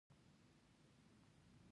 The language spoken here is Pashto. ښار څنګه پاک وساتو؟